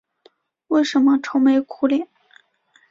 为什么愁眉苦脸？